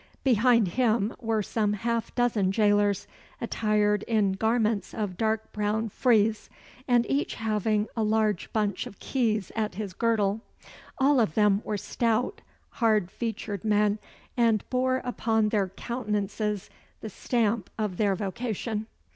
Behind him were some half dozen jailers, attired in garments of dark brown frieze, and each having a large bunch of keys at his girdle. All of them were stout, hard featured men, and bore upon their countenances the stamp of their vocation.